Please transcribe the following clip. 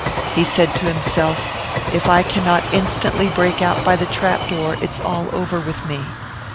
He said to himself: 'If I cannot instantly break out by the trap door it's all over with me.